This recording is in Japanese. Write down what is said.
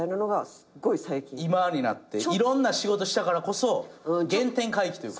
今になっていろんな仕事したからこそ原点回帰というか。